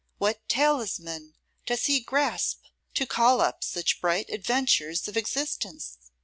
What talisman does he grasp to call up such bright adventures of existence?